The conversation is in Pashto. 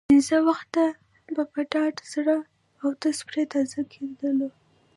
پنځه وخته به په ډاډه زړه اودس پرې تازه کېدلو.